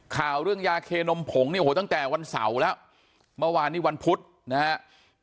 ข่าวเรื่องยาเคนมผงเนี่ยโอ้โหตั้งแต่วันเสาร์แล้วเมื่อวานนี้วันพุธนะครับ